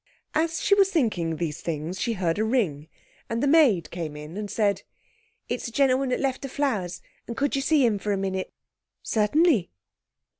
As she was thinking these things she heard a ring, and the maid came in and said 'It's the gentleman that left the flowers, and could you see him for a minute?' 'Certainly.'